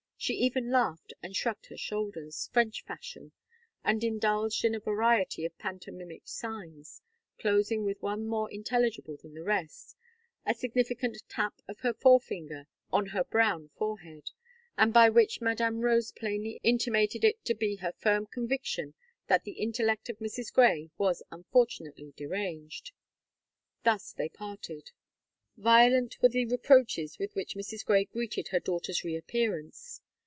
She even laughed and shrugged her shoulders, French fashion, and indulged in a variety of pantomimic signs, closing with one more intelligible than the rest: a significant tap of her forefinger on her brown forehead, and by which Madame Rose plainly intimated it to be her firm conviction that the intellect of Mrs. Gray was unfortunately deranged. Thus they parted. Violent were the reproaches with which Mrs. Gray greeted her daughter's reappearance.